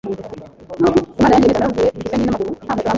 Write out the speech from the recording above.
Imana yangiriye neza naravuye i Gisenyi n’amaguru nta nkweto nambaye